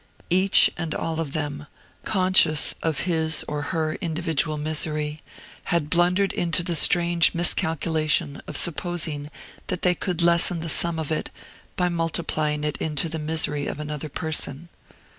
Each and all of them, conscious of his or her individual misery, had blundered into the strange miscalculation of supposing that they could lessen the sum of it by multiplying it into the misery of another person.